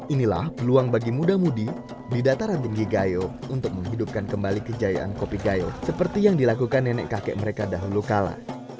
inilah peluang bagi muda mudi di dataran tinggi gayo untuk menghidupkan kembali kejayaan kopi gayo seperti yang dilakukan nenek kakek mereka dahulu kala